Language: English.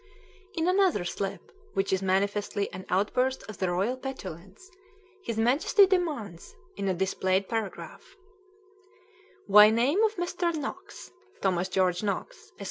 In another slip, which is manifestly an outburst of the royal petulance, his Majesty demands, in a "displayed" paragraph: "Why name of Mr. Knox [Thomas George Knox, Esq.